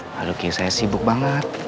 lalu kira saya sibuk banget